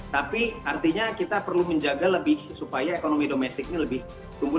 tapi artinya kita perlu menjaga lebih supaya ekonomi domestik ini lebih tumbuh